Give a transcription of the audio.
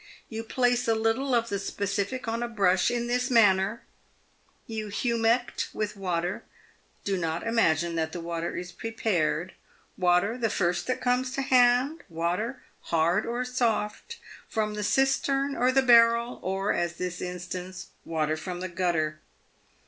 You place a little of the specific on a brush in this manner — you humect with water. Do not imagine that the water is prepared ; water, the first that comes to hand, water hard or soft, from the cistern or the barrel, or, as in this instance, water from the gutter.